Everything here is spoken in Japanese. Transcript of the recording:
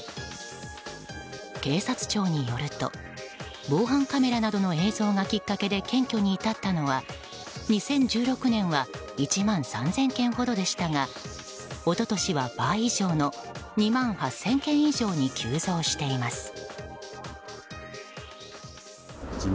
警察庁によると防犯カメラなどの映像がきっかけで謙虚に至ったのは２０１６年は１万３０００件ほどでしたが一昨年は倍以上の２万８０００件以上に急増しています。